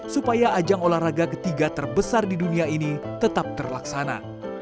supaya ajang olahraga ketiga terbesar di dunia ini tetap terlaksana